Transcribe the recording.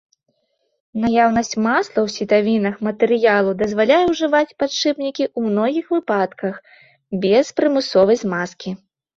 Наяўнасць масла ў сітавінах матэрыялу дазваляе ўжываць падшыпнікі ў многіх выпадках без прымусовай змазкі.